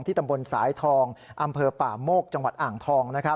ตำบลสายทองอำเภอป่าโมกจังหวัดอ่างทอง